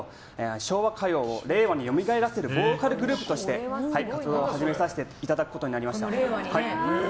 昭和歌謡を令和によみがえらせるボーカルグループとして活動を始めさせていただくことになりました。